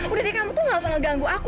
udah deh kamu tuh gak usah ngeganggu aku